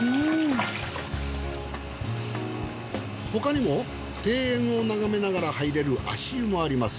他にも庭園を眺めながら入れる足湯もあります。